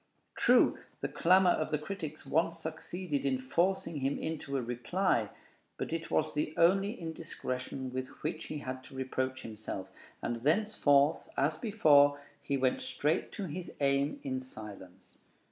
True, the clamor of the critics once succeeded in forcing him into a reply; but it was the only indiscretion with which he had to reproach himself, and thenceforth, as before, he went straight to his aim in silence.